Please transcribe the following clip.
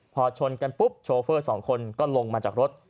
พอชนกันปุ๊บโชเฟอร์สองคนก็ลงมาจากรถ